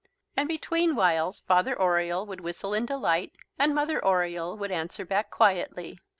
And between whiles Father Oriole would whistle in delight and Mother Oriole would answer back quietly.